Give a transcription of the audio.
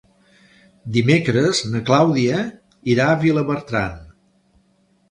Dimecres na Clàudia irà a Vilabertran.